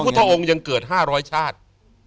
พระองค์ยังเกิด๕๐๐ชาติ